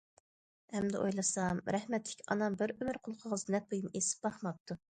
ئەمدى ئويلىسام رەھمەتلىك ئانام بىر ئۆمۈر قۇلىقىغا زىننەت بۇيۇمى ئېسىپ باقماپتۇ.